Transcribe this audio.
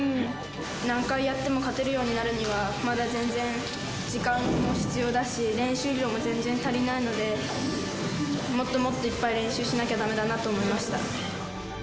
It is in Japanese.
何回やっても勝てるようになるには、まだ全然時間も必要だし、練習量も全然足りないので、もっともっといっぱい練習しなきゃだめだなと思いました。